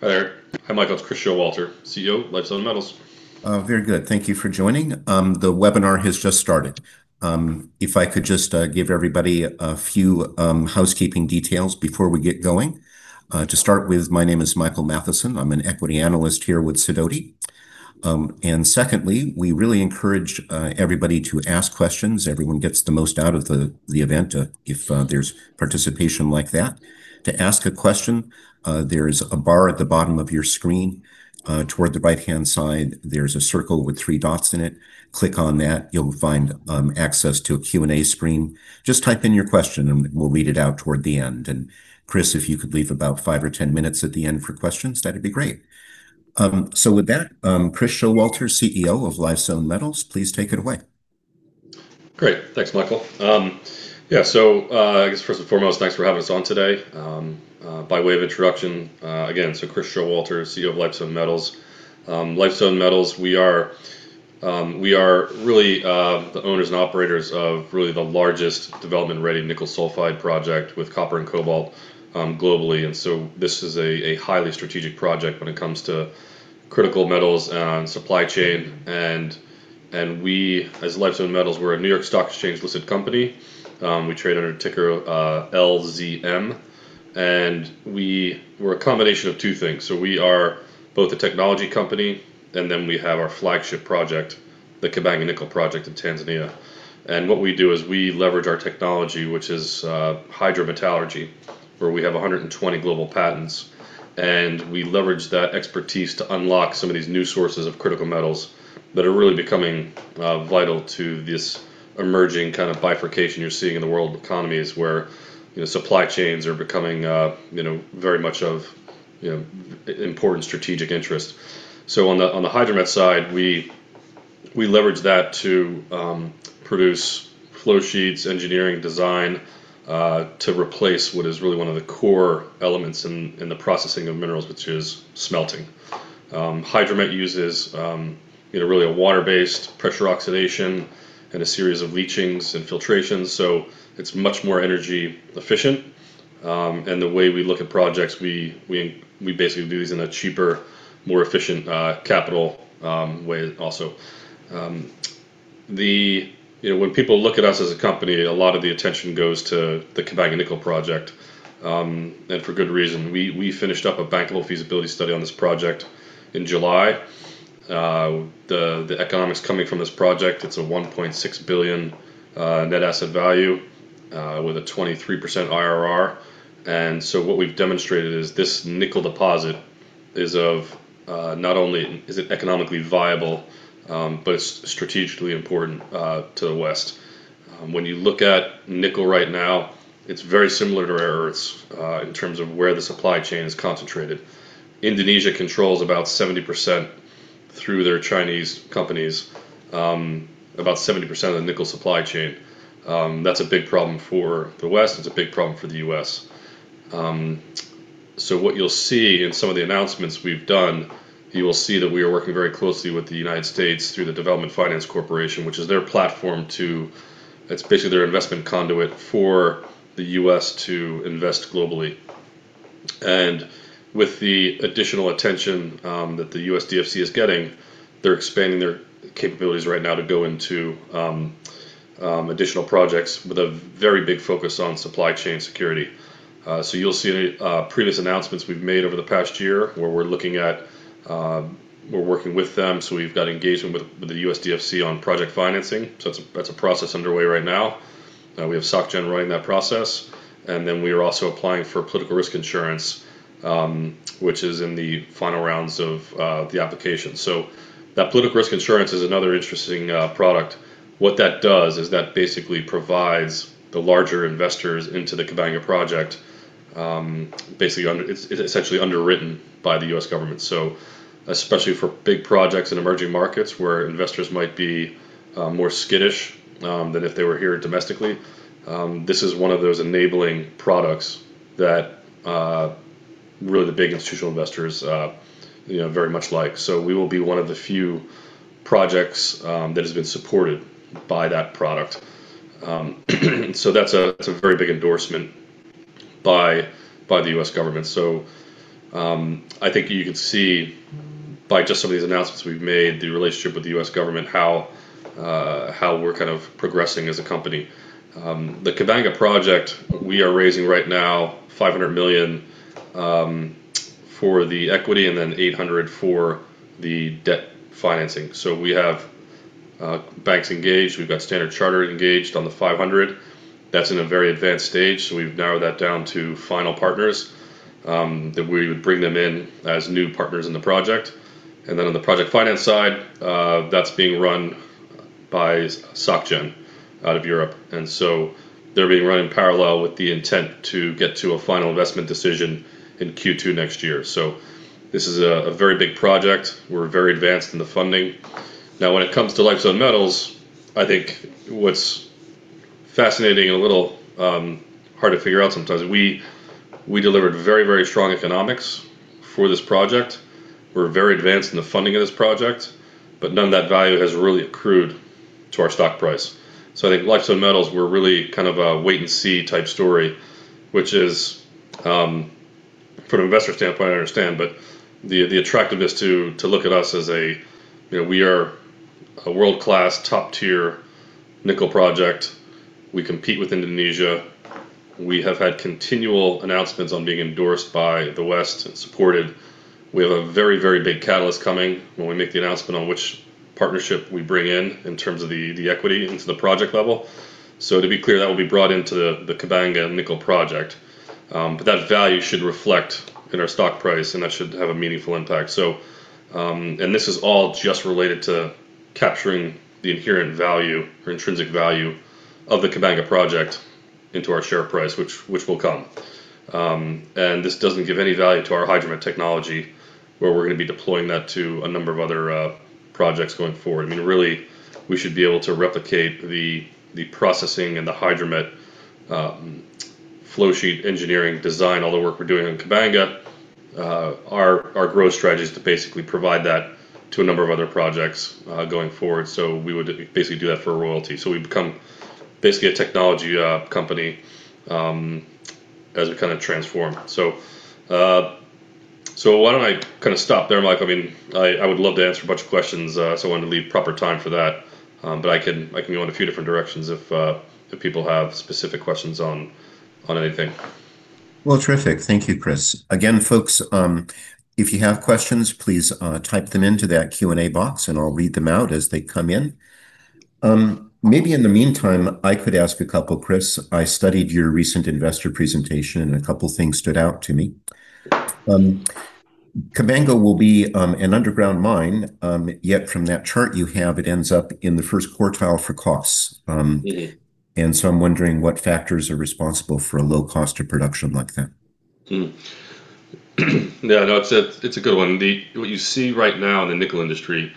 Hi there. I'm Chris Showalter, CEO, Lifezone Metals. Very good. Thank you for joining. The webinar has just started. If I could just give everybody a few housekeeping details before we get going. To start with, my name is Michael Mathison. I'm an equity analyst here with Sidoti. And secondly, we really encourage everybody to ask questions. Everyone gets the most out of the event if there's participation like that. To ask a question, there is a bar at the bottom of your screen. Toward the right-hand side, there's a circle with three dots in it. Click on that. You'll find access to a Q&A screen. Just type in your question, and we'll read it out toward the end. And Chris, if you could leave about five or ten minutes at the end for questions, that'd be great. So with that, Chris Showalter, CEO of Lifezone Metals, please take it away. Great. Thanks, Michael. Yeah, so I guess first and foremost, thanks for having us on today. By way of introduction, again, so Chris Schowalter, CEO of Lifezone Metals. Lifezone Metals, we are really the owners and operators of really the largest development-ready nickel sulfide project with copper and cobalt globally. And so this is a highly strategic project when it comes to critical metals and supply chain. And we, as Lifezone Metals, we're a New York Stock Exchange-listed company. We trade under ticker LZM. And we're a combination of two things. So we are both a technology company, and then we have our flagship project, the Kabanga Nickel Project in Tanzania. And what we do is we leverage our technology, which is hydrometallurgy, where we have 120 global patents. And we leverage that expertise to unlock some of these new sources of critical metals that are really becoming vital to this emerging kind of bifurcation you're seeing in the world economies where supply chains are becoming very much of important strategic interest. So on the hydromet side, we leverage that to produce flow sheets, engineering design to replace what is really one of the core elements in the processing of minerals, which is smelting. Hydromet uses really a water-based pressure oxidation and a series of leachings and filtrations. So it's much more energy efficient. And the way we look at projects, we basically do these in a cheaper, more efficient capital way also. When people look at us as a company, a lot of the attention goes to the Kabanga Nickel Project. And for good reason. We finished up a bankable feasibility study on this project in July. The economics coming from this project, it's a $1.6 billion net asset value with a 23% IRR. So what we've demonstrated is this nickel deposit is of not only is it economically viable, but it's strategically important to the West. When you look at nickel right now, it's very similar to rare earths in terms of where the supply chain is concentrated. Indonesia controls about 70% through their Chinese companies, about 70% of the nickel supply chain. That's a big problem for the West. It's a big problem for the U.S. So what you'll see in some of the announcements we've done, you will see that we are working very closely with the United States through the Development Finance Corporation, which is their platform. It's basically their investment conduit for the U.S. to invest globally. And with the additional attention that the U.S. DFC is getting, they're expanding their capabilities right now to go into additional projects with a very big focus on supply chain security. So you'll see previous announcements we've made over the past year where we're working with them. So we've got engagement with the U.S. DFC on project financing. So that's a process underway right now. We have SocGen running that process. And then we are also applying for political risk insurance, which is in the final rounds of the application. So that political risk insurance is another interesting product. What that does is that basically provides the larger investors into the Kabanga project, basically underwritten by the U.S. government. So especially for big projects in emerging markets where investors might be more skittish than if they were here domestically, this is one of those enabling products that really the big institutional investors very much like. So we will be one of the few projects that has been supported by that product. So that's a very big endorsement by the U.S. government. So I think you can see by just some of these announcements we've made, the relationship with the U.S. government, how we're kind of progressing as a company. The Kabanga project, we are raising right now $500 million for the equity and then $800 million for the debt financing. So we have banks engaged. We've got Standard Chartered engaged on the 500. That's in a very advanced stage. So we've narrowed that down to final partners that we would bring them in as new partners in the project. Then on the project finance side, that's being run by SocGen out of Europe. So they're being run in parallel with the intent to get to a final investment decision in Q2 next year. This is a very big project. We're very advanced in the funding. Now, when it comes to Lifezone Metals, I think what's fascinating and a little hard to figure out sometimes, we delivered very, very strong economics for this project. We're very advanced in the funding of this project, but none of that value has really accrued to our stock price. So I think Lifezone Metals, we're really kind of a wait-and-see type story, which is from an investor standpoint, I understand, but the attractiveness to look at us as we are a world-class top-tier nickel project. We compete with Indonesia. We have had continual announcements on being endorsed by the West and supported. We have a very, very big catalyst coming when we make the announcement on which partnership we bring in in terms of the equity into the project level, so to be clear, that will be brought into the Kabanga Nickel Project, but that value should reflect in our stock price, and that should have a meaningful impact, and this is all just related to capturing the inherent value or intrinsic value of the Kabanga project into our share price, which will come. And this doesn't give any value to our Hydromet Technology where we're going to be deploying that to a number of other projects going forward. I mean, really, we should be able to replicate the processing and the hydromet flow sheet engineering design, all the work we're doing on Kabanga. Our growth strategy is to basically provide that to a number of other projects going forward. So we would basically do that for royalty. So we become basically a technology company as we kind of transform. So why don't I kind of stop there, Michael? I mean, I would love to answer a bunch of questions, so I wanted to leave proper time for that. But I can go in a few different directions if people have specific questions on anything. Well, terrific. Thank you, Chris. Again, folks, if you have questions, please type them into that Q&A box, and I'll read them out as they come in. Maybe in the meantime, I could ask a couple, Chris. I studied your recent investor presentation, and a couple of things stood out to me. Kabanga will be an underground mine, yet from that chart you have, it ends up in the first quartile for costs. And so I'm wondering what factors are responsible for a low cost of production like that. Yeah, no, it's a good one. What you see right now in the nickel industry,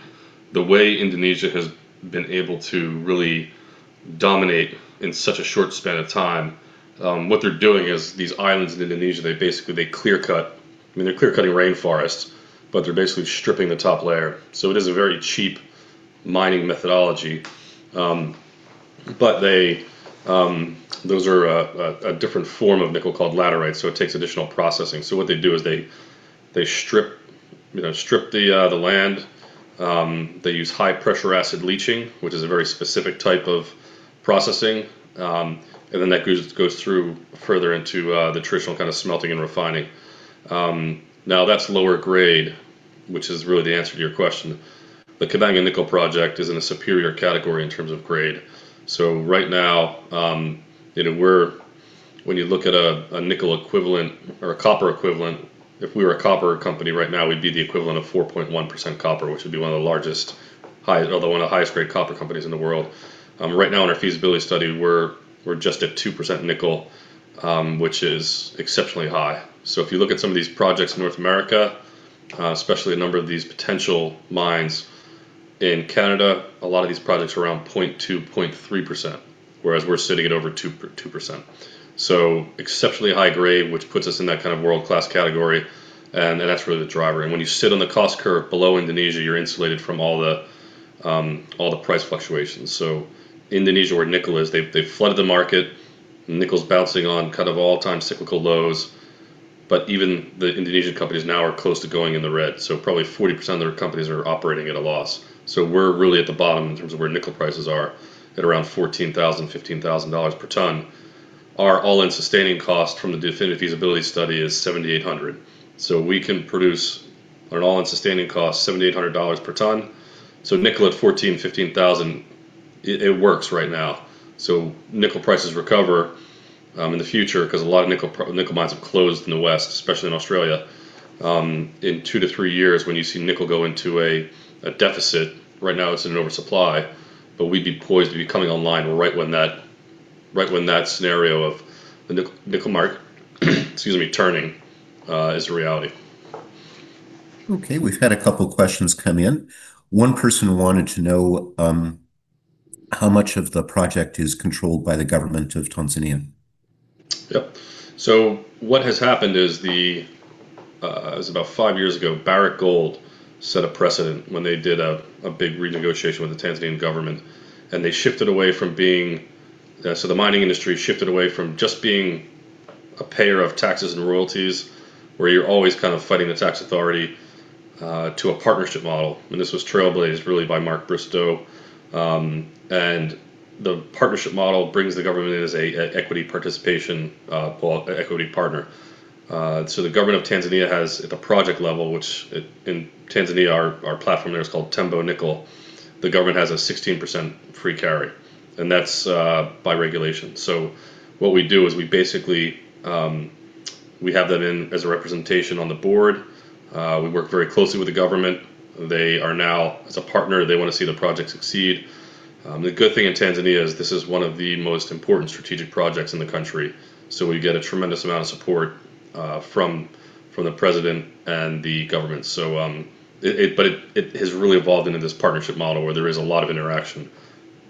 the way Indonesia has been able to really dominate in such a short span of time, what they're doing is these islands in Indonesia, they basically clear-cut. I mean, they're clear-cutting rainforests, but they're basically stripping the top layer. So it is a very cheap mining methodology. But those are a different form of nickel called laterite. So it takes additional processing. So what they do is they strip the land. They use high-pressure acid leaching, which is a very specific type of processing. And then that goes through further into the traditional kind of smelting and refining. Now, that's lower grade, which is really the answer to your question. The Kabanga Nickel Project is in a superior category in terms of grade. So right now, when you look at a nickel equivalent or a copper equivalent, if we were a copper company right now, we'd be the equivalent of 4.1% copper, which would be one of the largest, although one of the highest-grade copper companies in the world. Right now, in our feasibility study, we're just at 2% nickel, which is exceptionally high. So if you look at some of these projects in North America, especially a number of these potential mines in Canada, a lot of these projects are around 0.2%-0.3%, whereas we're sitting at over 2%. So exceptionally high grade, which puts us in that kind of world-class category. And that's really the driver. And when you sit on the cost curve below Indonesia, you're insulated from all the price fluctuations. So Indonesia, where nickel is, they've flooded the market. Nickel's bouncing on kind of all-time cyclical lows. But even the Indonesian companies now are close to going in the red. So probably 40% of their companies are operating at a loss. So we're really at the bottom in terms of where nickel prices are at around $14,000-$15,000 per ton. Our all-in sustaining cost from the definitive feasibility study is $7,800. So we can produce an all-in sustaining cost, $7,800 per ton. So nickel at $14,000-$15,000, it works right now. So nickel prices recover in the future because a lot of nickel mines have closed in the West, especially in Australia. In two to three years, when you see nickel go into a deficit, right now it's in an oversupply, but we'd be poised to be coming online right when that scenario of the nickel market, excuse me, turning is a reality. Okay. We've had a couple of questions come in. One person wanted to know how much of the project is controlled by the government of Tanzania. Yep. So what has happened is about five years ago, Barrick Gold set a precedent when they did a big renegotiation with the Tanzanian government. And they shifted away from being so the mining industry shifted away from just being a payer of taxes and royalties, where you're always kind of fighting the tax authority, to a partnership model. And this was trailblazed really by Mark Bristow. And the partnership model brings the government as an equity participation equity partner. So the government of Tanzania has at the project level, which in Tanzania, our platform there is called Tembo Nickel, the government has a 16% free carry. And that's by regulation. So what we do is we basically have them in as a representation on the board. We work very closely with the government. They are now, as a partner, they want to see the project succeed. The good thing in Tanzania is this is one of the most important strategic projects in the country. So we get a tremendous amount of support from the president and the government. But it has really evolved into this partnership model where there is a lot of interaction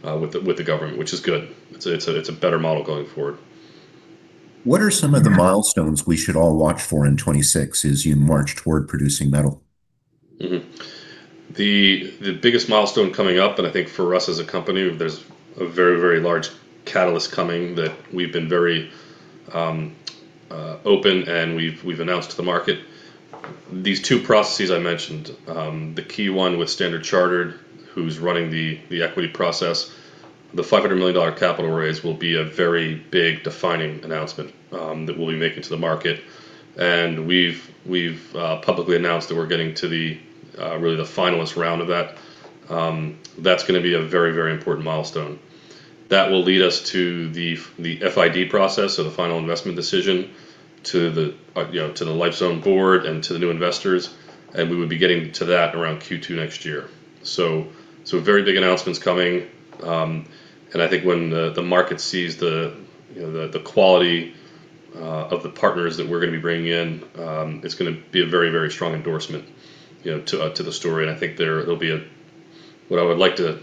with the government, which is good. It's a better model going forward. What are some of the milestones we should all watch for in 2026 as you march toward producing metal? The biggest milestone coming up, and I think for us as a company, there's a very, very large catalyst coming that we've been very open and we've announced to the market. These two processes I mentioned, the key one with Standard Chartered, who's running the equity process, the $500 million capital raise will be a very big defining announcement that we'll be making to the market. And we've publicly announced that we're getting to really the finalist round of that. That's going to be a very, very important milestone. That will lead us to the FID process, so the final investment decision, to the Lifezone Board and to the new investors. And we would be getting to that around Q2 next year. So very big announcements coming. And I think when the market sees the quality of the partners that we're going to be bringing in, it's going to be a very, very strong endorsement to the story. And I think there'll be a what I would like to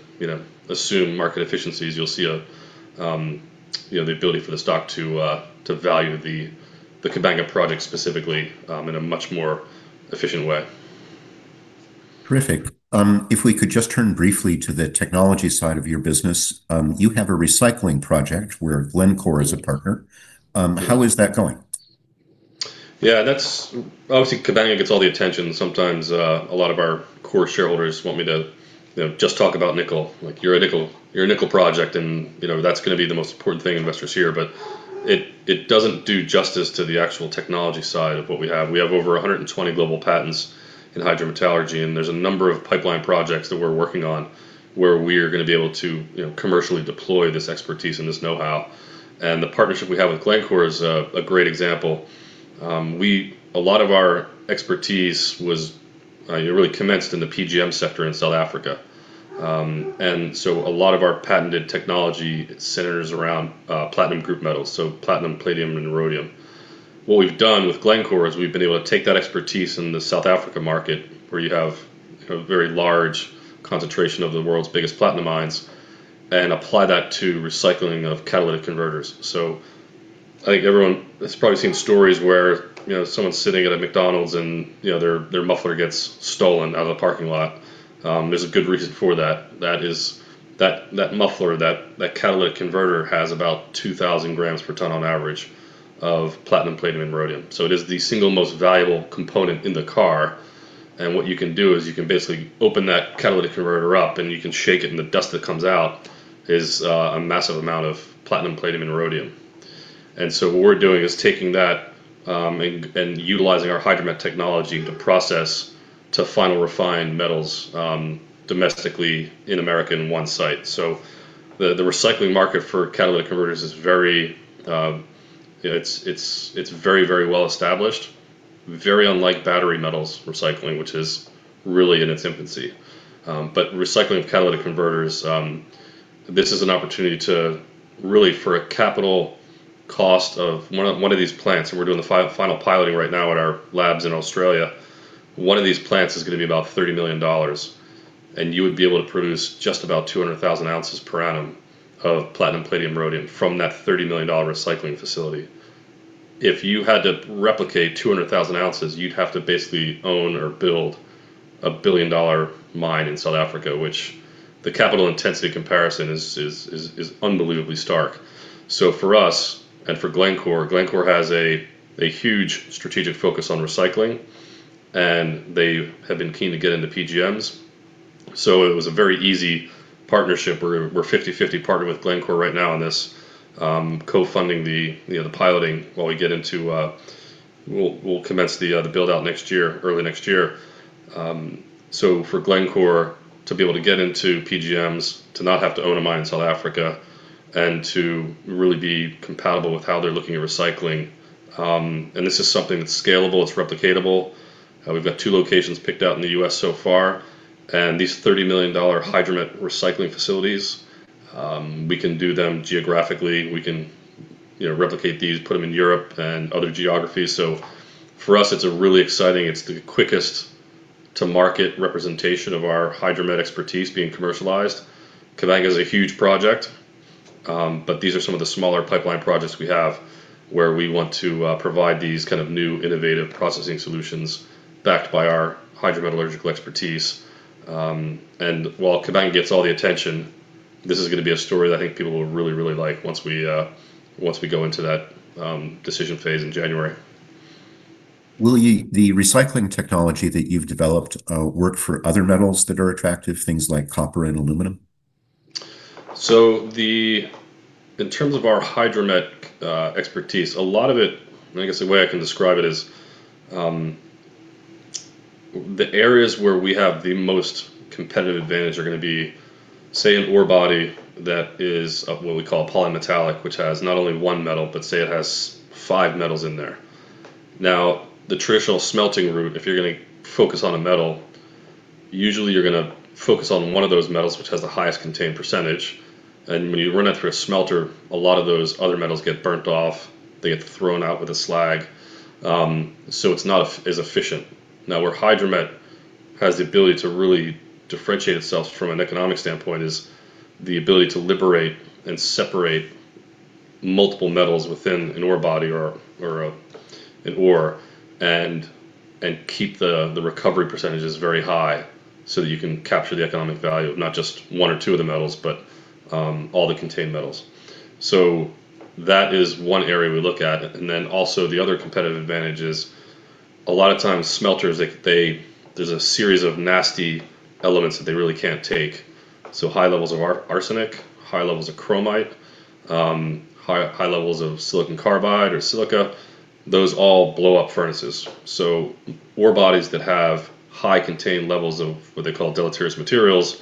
assume market efficiencies, you'll see the ability for the stock to value the Kabanga project specifically in a much more efficient way. Terrific. If we could just turn briefly to the technology side of your business, you have a recycling project where Glencore is a partner. How is that going? Yeah. Obviously, Kabanga gets all the attention. Sometimes a lot of our core shareholders want me to just talk about nickel. You're a nickel project, and that's going to be the most important thing investors hear. But it doesn't do justice to the actual technology side of what we have. We have over 120 global patents in hydrometallurgy. And there's a number of pipeline projects that we're working on where we are going to be able to commercially deploy this expertise and this know-how. And the partnership we have with Glencore is a great example. A lot of our expertise was really commenced in the PGM sector in South Africa. And so a lot of our patented technology centers around platinum group metals, so platinum, palladium, and rhodium. What we've done with Glencore is we've been able to take that expertise in the South Africa market, where you have a very large concentration of the world's biggest platinum mines, and apply that to recycling of catalytic converters. So I think everyone has probably seen stories where someone's sitting at a McDonald's and their muffler gets stolen out of the parking lot. There's a good reason for that. That muffler, that catalytic converter, has about 2,000 grams per ton on average of platinum, palladium, and rhodium. So it is the single most valuable component in the car. And what you can do is you can basically open that catalytic converter up, and you can shake it, and the dust that comes out is a massive amount of platinum, palladium, and rhodium. And so what we're doing is taking that and utilizing our Hydromet Technology to process to final refine metals domestically in America in one site. So the recycling market for catalytic converters is very, very well established, very unlike battery metals recycling, which is really in its infancy. But recycling of catalytic converters, this is an opportunity to really, for a capital cost of one of these plants, and we're doing the final piloting right now at our labs in Australia, one of these plants is going to be about $30 million. And you would be able to produce just about 200,000 ounces per annum of platinum, palladium, and rhodium from that $30 million recycling facility. If you had to replicate 200,000 ounces, you'd have to basically own or build a $1 billion mine in South Africa, which the capital intensity comparison is unbelievably stark. So for us and for Glencore, Glencore has a huge strategic focus on recycling, and they have been keen to get into PGMs. So it was a very easy partnership. We're 50/50 partnered with Glencore right now on this, co-funding the piloting while we'll commence the build-out early next year. So for Glencore to be able to get into PGMs, to not have to own a mine in South Africa, and to really be compatible with how they're looking at recycling. And this is something that's scalable. It's replicable. We've got two locations picked out in the U.S. so far. And these $30 million hydromet recycling facilities, we can do them geographically. We can replicate these, put them in Europe and other geographies. So for us, it's really exciting. It's the quickest-to-market representation of our hydromet expertise being commercialized. Kabanga is a huge project, but these are some of the smaller pipeline projects we have where we want to provide these kind of new innovative processing solutions backed by our hydrometallurgical expertise, and while Kabanga gets all the attention, this is going to be a story that I think people will really, really like once we go into that decision phase in January. Will the recycling technology that you've developed work for other metals that are attractive, things like copper and aluminum? So, in terms of our hydromet expertise, a lot of it, I guess the way I can describe it is the areas where we have the most competitive advantage are going to be, say, an ore body that is what we call polymetallic, which has not only one metal, but say it has five metals in there. Now, the traditional smelting route, if you're going to focus on a metal, usually you're going to focus on one of those metals which has the highest contained percentage. And when you run that through a smelter, a lot of those other metals get burnt off. They get thrown out with a slag. So it's not as efficient. Now, where hydromet has the ability to really differentiate itself from an economic standpoint is the ability to liberate and separate multiple metals within an ore body or an ore and keep the recovery percentages very high so that you can capture the economic value of not just one or two of the metals, but all the contained metals. So that is one area we look at, and then also the other competitive advantage is a lot of times smelters, there's a series of nasty elements that they really can't take, so high levels of arsenic, high levels of chromite, high levels of silicon carbide or silica, those all blow up furnaces. So ore bodies that have high contained levels of what they call deleterious materials,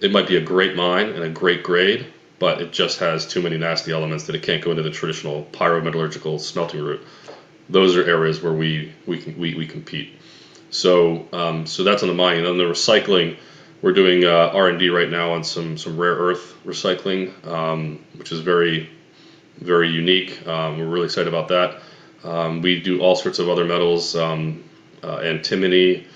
it might be a great mine and a great grade, but it just has too many nasty elements that it can't go into the traditional pyrometallurgical smelting route. Those are areas where we compete. So that's on the mine. And on the recycling, we're doing R&D right now on some rare earth recycling, which is very unique. We're really excited about that. We do all sorts of other metals. Antimony,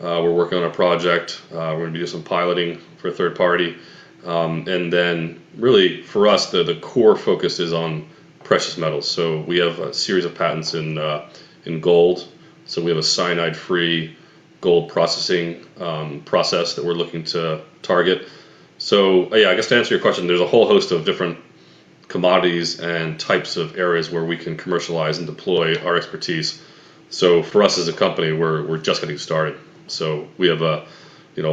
we're working on a project. We're going to be doing some piloting for a third party. And then really, for us, the core focus is on precious metals. So we have a series of patents in gold. So we have a cyanide-free gold processing process that we're looking to target. So yeah, I guess to answer your question, there's a whole host of different commodities and types of areas where we can commercialize and deploy our expertise, so for us as a company, we're just getting started, so we have a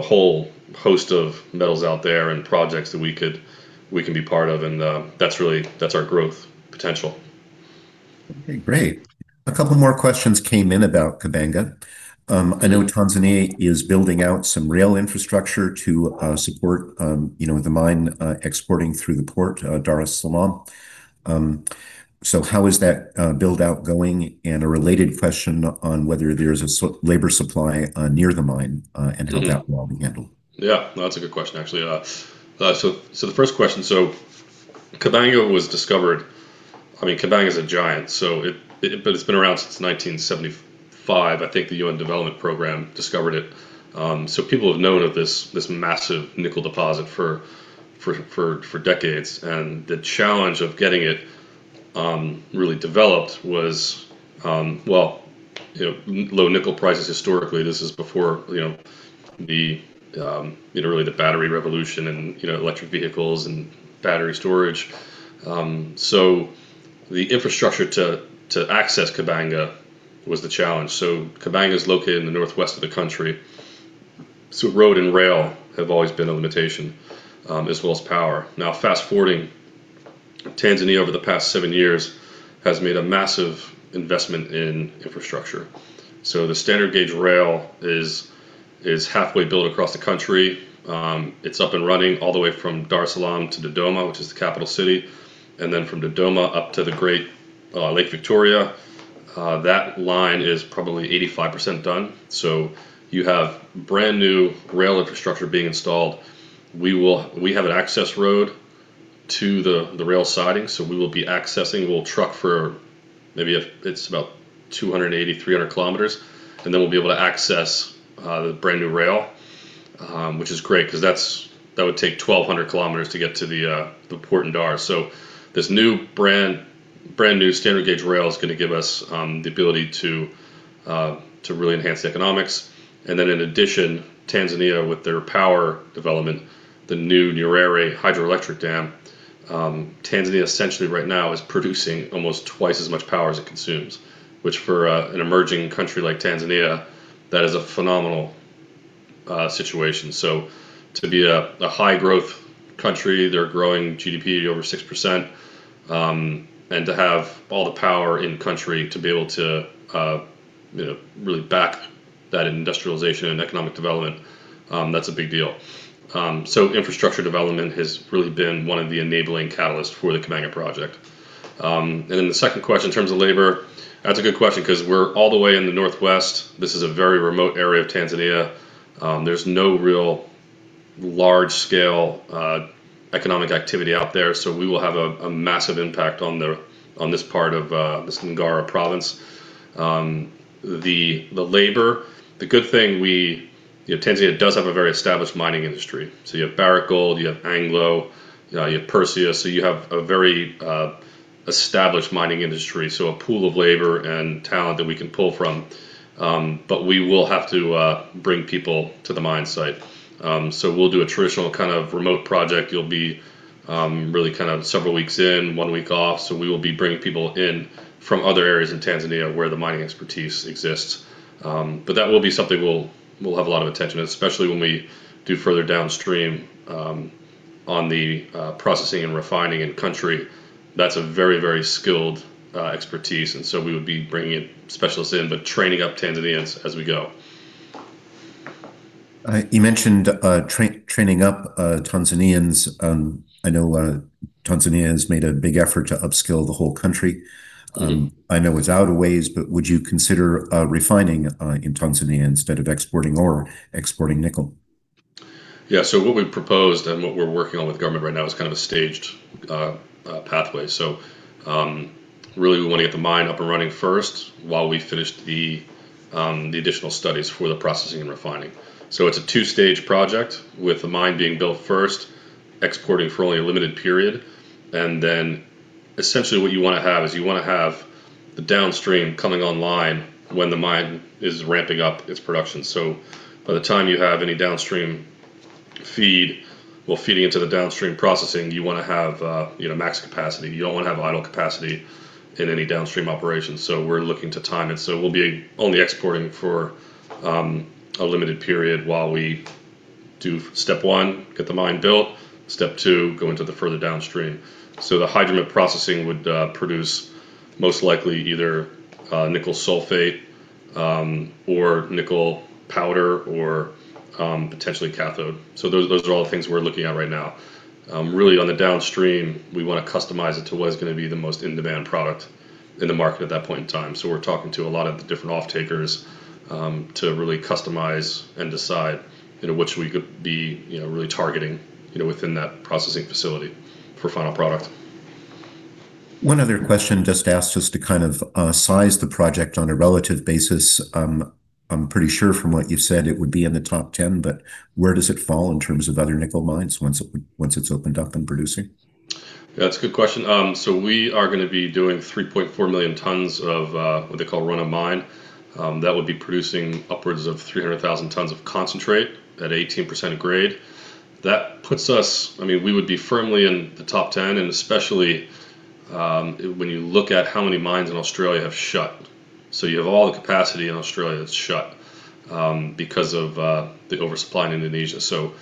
whole host of metals out there and projects that we can be part of, and that's our growth potential. Okay. Great. A couple more questions came in about Kabanga. I know Tanzania is building out some rail infrastructure to support the mine exporting through the port, Dar es Salaam. So how is that build-out going? And a related question on whether there is a labor supply near the mine and how that will be handled. Yeah. That's a good question, actually. So the first question, so Kabanga was discovered. I mean, Kabanga is a giant, but it's been around since 1975. I think the UN Development Programme discovered it. So people have known of this massive nickel deposit for decades. And the challenge of getting it really developed was, well, low nickel prices historically. This is before really the battery revolution and electric vehicles and battery storage. So the infrastructure to access Kabanga was the challenge. So Kabanga is located in the northwest of the country. So road and rail have always been a limitation, as well as power. Now, fast forwarding, Tanzania over the past seven years has made a massive investment in infrastructure. So the standard gauge rail is halfway built across the country. It's up and running all the way from Dar es Salaam to Dodoma, which is the capital city, and then from Dodoma up to Lake Victoria. That line is probably 85% done. So you have brand new rail infrastructure being installed. We have an access road to the rail siding. So we will be accessing. We'll truck for maybe it's about 280-300 km. And then we'll be able to access the brand new rail, which is great because that would take 1,200 km to get to the port in Dar es Salaam. So this new brand new standard gauge rail is going to give us the ability to really enhance the economics. In addition, Tanzania, with their power development, the new Nyerere Hydroelectric dam, Tanzania essentially right now is producing almost twice as much power as it consumes, which for an emerging country like Tanzania, that is a phenomenal situation. To be a high-growth country, their growing GDP over 6%, and to have all the power in-country to be able to really back that industrialization and economic development, that's a big deal. Infrastructure development has really been one of the enabling catalysts for the Kabanga project. The second question, in terms of labor, that's a good question because we're all the way in the northwest. This is a very remote area of Tanzania. There's no real large-scale economic activity out there. We will have a massive impact on this part of this Ngara province. The labor, the good thing, Tanzania does have a very established mining industry, so you have Barrick Gold, you have Anglo, you have Perseus, so you have a very established mining industry, so a pool of labor and talent that we can pull from, but we will have to bring people to the mine site, so we'll do a traditional kind of remote project, you'll be really kind of several weeks in, one week off, so we will be bringing people in from other areas in Tanzania where the mining expertise exists, but that will be something we'll have a lot of attention to, especially when we do further downstream on the processing and refining in country, that's a very, very skilled expertise, and so we would be bringing specialists in, but training up Tanzanians as we go. You mentioned training up Tanzanians. I know Tanzania has made a big effort to upskill the whole country. I know it's out of ways, but would you consider refining in Tanzania instead of exporting ore or exporting nickel? Yeah. So what we proposed and what we're working on with government right now is kind of a staged pathway. So really, we want to get the mine up and running first while we finish the additional studies for the processing and refining. So it's a two-stage project with the mine being built first, exporting for only a limited period. And then essentially what you want to have is you want to have the downstream coming online when the mine is ramping up its production. So by the time you have any downstream feed, well, feeding into the downstream processing, you want to have max capacity. You don't want to have idle capacity in any downstream operation. So we're looking to time it. So we'll be only exporting for a limited period while we do step one, get the mine built, step two, go into the further downstream. So the hydromet processing would produce most likely either nickel sulfate or nickel powder or potentially cathode. So those are all the things we're looking at right now. Really, on the downstream, we want to customize it to what is going to be the most in-demand product in the market at that point in time. So we're talking to a lot of the different off-takers to really customize and decide which we could be really targeting within that processing facility for final product. One other question just asked us to kind of size the project on a relative basis. I'm pretty sure from what you've said it would be in the top 10, but where does it fall in terms of other nickel mines once it's opened up and producing? Yeah, that's a good question. So we are going to be doing 3.4 million tons of what they call run-of-mine. That would be producing upwards of 300,000 tons of concentrate at 18% grade. That puts us, I mean, we would be firmly in the top 10, and especially when you look at how many mines in Australia have shut. So you have all the capacity in Australia that's shut because of the oversupply in Indonesia. So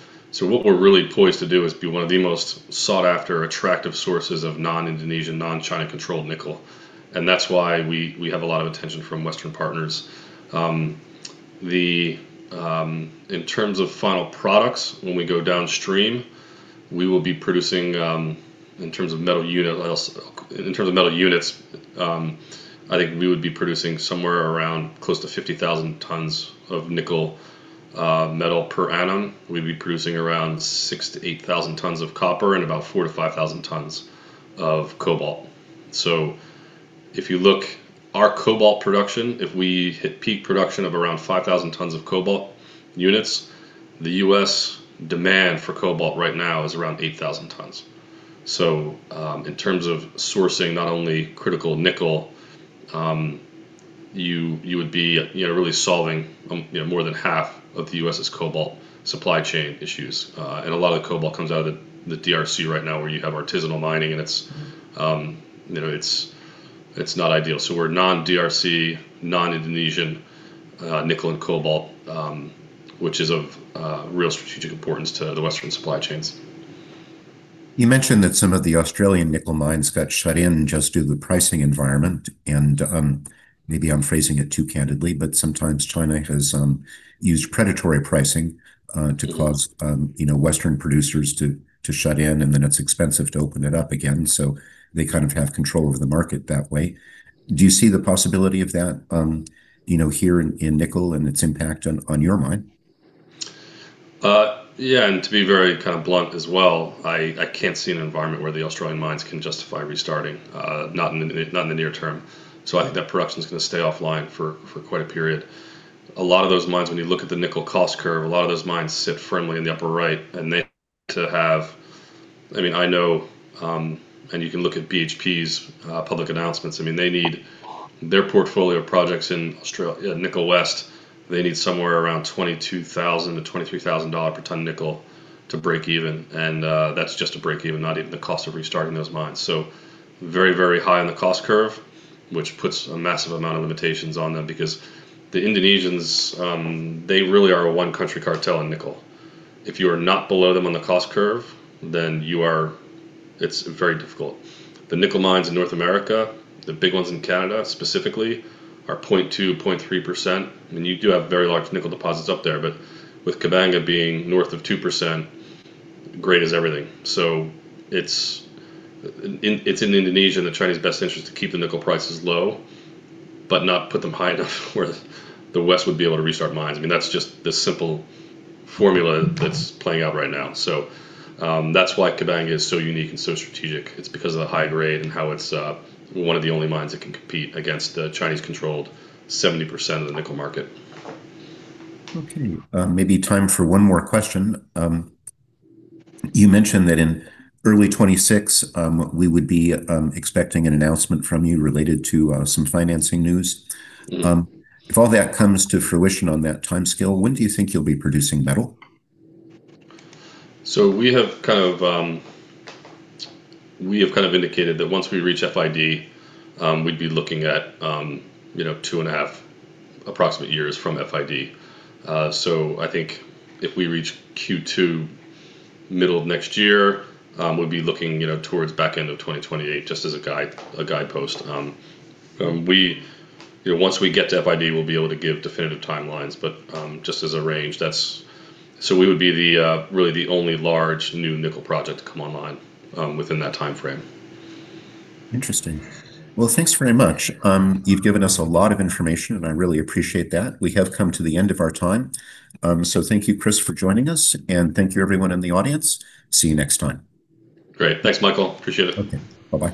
what we're really poised to do is be one of the most sought-after, attractive sources of non-Indonesian, non-China-controlled nickel. And that's why we have a lot of attention from Western partners. In terms of final products, when we go downstream, we will be producing in terms of metal units, I think we would be producing somewhere around close to 50,000 tons of nickel metal per annum. We'd be producing around 6,000-8,000 tons of copper and about 4,000-5,000 tons of cobalt. So if you look, our cobalt production, if we hit peak production of around 5,000 tons of cobalt units, the U.S. demand for cobalt right now is around 8,000 tons. So in terms of sourcing not only critical nickel, you would be really solving more than half of the U.S.'s cobalt supply chain issues. And a lot of the cobalt comes out of the DRC right now where you have artisanal mining, and it's not ideal. So we're non-DRC, non-Indonesian nickel and cobalt, which is of real strategic importance to the Western supply chains. You mentioned that some of the Australian nickel mines got shut in just due to the pricing environment. And maybe I'm phrasing it too candidly, but sometimes China has used predatory pricing to cause Western producers to shut in, and then it's expensive to open it up again. So they kind of have control over the market that way. Do you see the possibility of that here in nickel and its impact on your mine? Yeah. And to be very kind of blunt as well, I can't see an environment where the Australian mines can justify restarting, not in the near term. So I think that production is going to stay offline for quite a period. A lot of those mines, when you look at the nickel cost curve, a lot of those mines sit firmly in the upper right, and they have to have, I mean, I know, and you can look at BHP's public announcements. I mean, they need their portfolio of projects in Nickel West, they need somewhere around $22,000-$23,000 per ton of nickel to break even. And that's just a break even, not even the cost of restarting those mines. So very, very high on the cost curve, which puts a massive amount of limitations on them because the Indonesians, they really are a one-country cartel in nickel. If you are not below them on the cost curve, then it's very difficult. The nickel mines in North America, the big ones in Canada specifically, are 0.2%-0.3%. I mean, you do have very large nickel deposits up there, but with Kabanga being north of 2%, grade is everything. So it's in Indonesia and China's best interest to keep the nickel prices low, but not put them high enough where the West would be able to restart mines. I mean, that's just the simple formula that's playing out right now. So that's why Kabanga is so unique and so strategic. It's because of the high grade and how it's one of the only mines that can compete against the Chinese-controlled 70% of the nickel market. Okay. Maybe time for one more question. You mentioned that in early 2026, we would be expecting an announcement from you related to some financing news. If all that comes to fruition on that timescale, when do you think you'll be producing metal? We have kind of indicated that once we reach FID, we'd be looking at two and a half approximate years from FID. So I think if we reach Q2, middle of next year, we'd be looking towards back end of 2028 just as a guidepost. Once we get to FID, we'll be able to give definitive timelines, but just as a range. So we would be really the only large new nickel project to come online within that timeframe. Interesting. Well, thanks very much. You've given us a lot of information, and I really appreciate that. We have come to the end of our time. So thank you, Chris, for joining us, and thank you, everyone in the audience. See you next time. Great. Thanks, Michael. Appreciate it. Okay. Bye-bye.